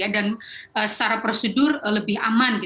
dan secara prosedur lebih aman